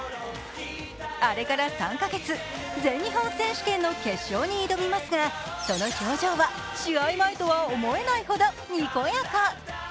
あれから３カ月、全日本選手権の決勝に挑みますが、その表情は試合前とは思えないほどにこやか。